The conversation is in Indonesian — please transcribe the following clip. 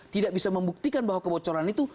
tidak bisa membuktikan bahwa kebocoran itu